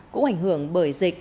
cũng ảnh hưởng bởi dịch